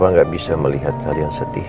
mama nggak bisa melihat kalian sedih